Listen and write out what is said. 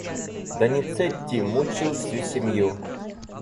Доницетти мучил всю семью.